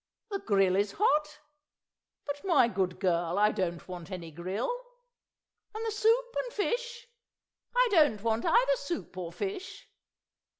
The grill is hot? But, my good girl, I don't want any grill. ... And the soup and fish? I don't want either soup or fish.